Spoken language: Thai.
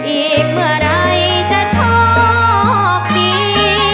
อีกเมื่อไหร่จะชอบกิน